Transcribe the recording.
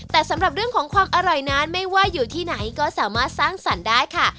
แต่สำหรับเรื่องของความอร่อยนั้นไม่ว่าอยู่ที่ไหนก็สามารถสร้างสรรค์ได้ค่ะ